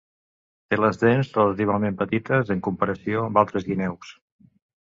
Té les dents relativament petites en comparació amb altres guineus.